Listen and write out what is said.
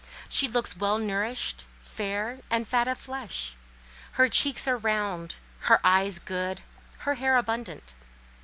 She looks well nourished, fair, and fat of flesh. Her cheeks are round, her eyes good; her hair is abundant.